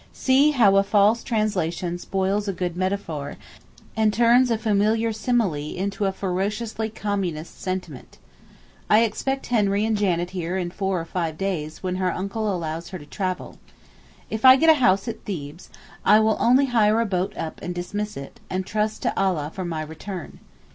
See how a false translation spoils a good metaphor, and turns a familiar simile into a ferociously communist sentiment. I expect Henry and Janet here in four or five days when her ancle allows her to travel. If I get a house at Thebes, I will only hire a boat up and dismiss it, and trust to Allah for my return.